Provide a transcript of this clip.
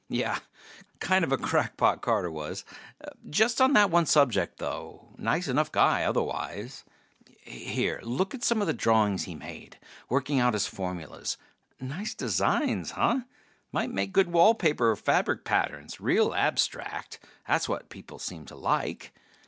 Yeh, kind of a crackpot, Carter was. Just on that one subject, though; nice enough guy otherwise. Here, look at some of the drawings he made, working out his formulas. Nice designs, huh? Might make good wall paper or fabric patterns. Real abstract ... that's what people seem to like.